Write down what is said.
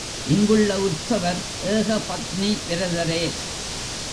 இங்குள்ள உற்சவர் ஏகபத்னி விரதரே.